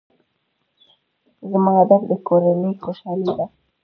زما هدف د کورنۍ خوشحالي ده.